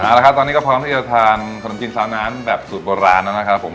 เอาละครับตอนนี้ก็พร้อมที่จะทานขนมจีนซาวน้ำแบบสูตรโบราณแล้วนะครับผม